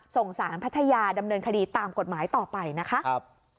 ส่งสารพัทยาดำเนินคดีตามกฎหมายต่อไปนะคะ